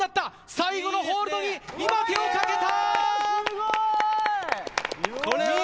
最後のホールドに今、手をかけた。